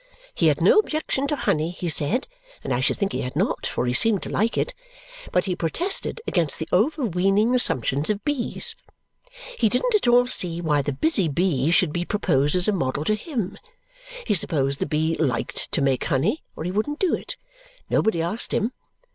He had no objection to honey, he said (and I should think he had not, for he seemed to like it), but he protested against the overweening assumptions of bees. He didn't at all see why the busy bee should be proposed as a model to him; he supposed the bee liked to make honey, or he wouldn't do it nobody asked him.